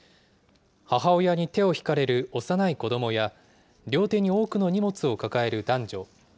母親に手を引かれる幼い子どもや、両手に多くの荷物を抱える男女。